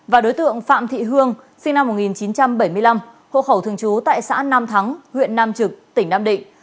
và đối tượng phạm thị hương sinh năm một nghìn chín trăm bảy mươi năm hộ khẩu thường trú tại xã nam thắng huyện nam trực tỉnh nam định